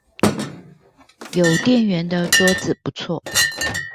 有電源的桌子不錯